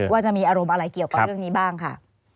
ว่าจะมีอารมณ์อะไรเกี่ยวกับเรื่องนี้บ้างค่ะ